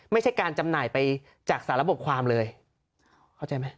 ไม่ใช่การจำหน่ายไปจากสารบกความเลยเข้าใจไหม